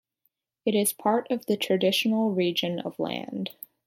It is part of the traditional region of Land.